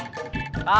pantai pantai pantai